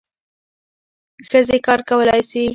ښځې کار کولای سي.